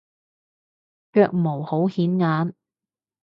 腳毛好顯眼